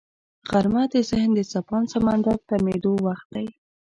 غرمه د ذهن د څپاند سمندر تمېدو وخت دی